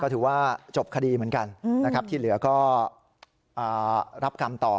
ถือว่าจบคดีเหมือนกันนะครับที่เหลือก็รับกรรมต่อ